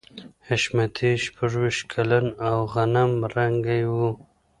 حشمتي شپږویشت کلن او غنم رنګی و